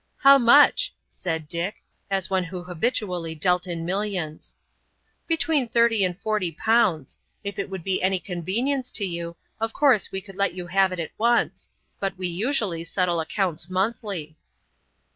"How much?" said Dick, as one who habitually dealt in millions. "Between thirty and forty pounds. If it would be any convenience to you, of course we could let you have it at once; but we usually settle accounts monthly."